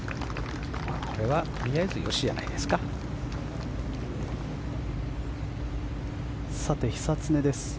これはとりあえずよしじゃないですか。